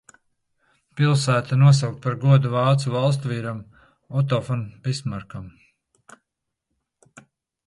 Pilsēta nosaukta par godu vācu valstsvīram Oto fon Bismarkam.